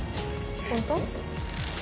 本当？